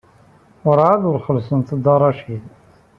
Werɛad ur xellṣent Dda Racid.